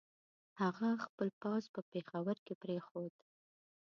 هغه خپل پوځ په پېښور کې پرېښود.